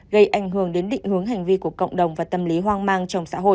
gây ảnh hưởng đến định hướng hành vi của cộng đồng và tâm lý hoang mang trong xã hội